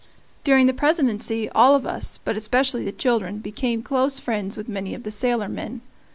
During the Presidency all of us, but especially the children, became close friends with many of the sailor men.